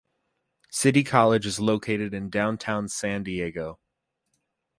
City College is located in Downtown San Diego.